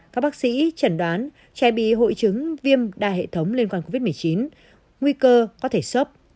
các bác sĩ chẩn đoán trẻ bị hội chứng viêm đa hệ thống liên quan covid một mươi chín nguy cơ có thể sốc